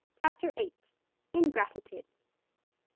CHAPTER EIGHT. INGRATITUDE.